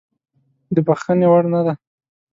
د بخښنې وړ نه دی.